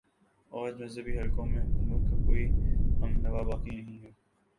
آج مذہبی حلقوں میں حکومت کا کوئی ہم نوا باقی نہیں ہے